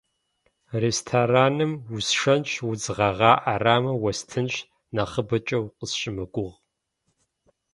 Рестораным усшэнщ, удз гъэгъа ӏэрамэ уэстынщ, нэхъыбэкӏэ укъысщымыгугъ.